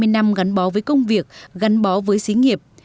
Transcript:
hai mươi năm gắn bó với công việc gắn bó với xí nghiệp